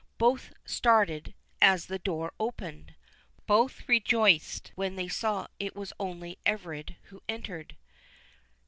Both started as the door opened—both rejoiced when they saw it was only Everard who entered.